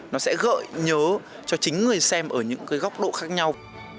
nó sẽ gợi nhớ cho chính người xem ở những cái góc độ khác nhau